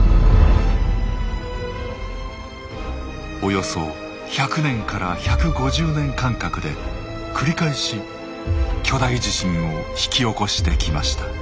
およそ１００年から１５０年間隔で繰り返し巨大地震を引き起こしてきました。